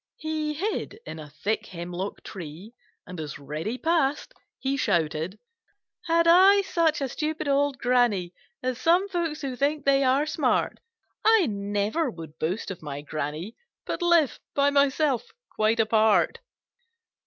He hid in a thick hemlock tree and as Reddy passed he shouted: "Had I such a stupid old Granny As some folks who think they are smart, I never would boast of my Granny, But live by myself quite apart!"